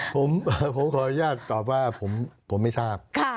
ผมขออนุญาตตอบว่าผมไม่ทราบ